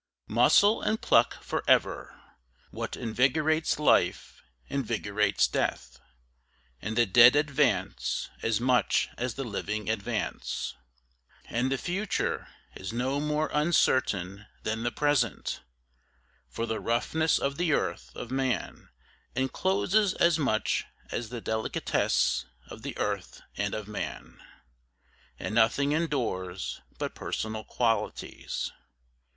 4 Muscle and pluck forever! What invigorates life invigorates death, And the dead advance as much as the living advance, And the future is no more uncertain than the present, For the roughness of the earth and of man encloses as much as the delicatesse of the earth and of man, And nothing endures but personal qualities.